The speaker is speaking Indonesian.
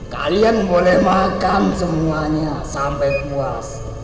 kalian boleh makan semuanya sampai puas